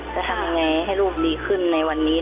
จะทำยังไงให้ลูกดีขึ้นในวันนี้